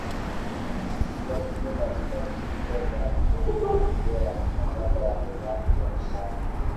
lemkin aliiwasilisha rasimu azimio la mkataba wa mauaji ya kimbari